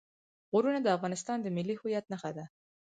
غرونه د افغانستان د ملي هویت نښه ده.